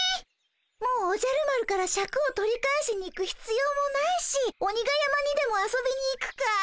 もうおじゃる丸からシャクを取り返しに行くひつようもないし鬼が山にでも遊びに行くかい？